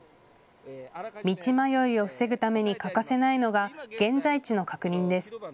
道迷いを防ぐために欠かせないのが現在地の確認です。